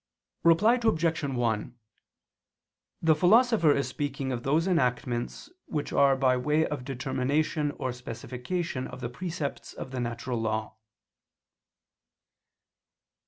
Reply Obj. 1: The Philosopher is speaking of those enactments which are by way of determination or specification of the precepts of the natural law.